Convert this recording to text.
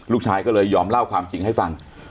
ลูกชายก็เลยยอมเล่าความจริงให้ฟัง